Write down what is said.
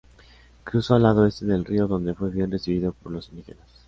Cruzó al lado este del río, donde fue bien recibido por los indígenas.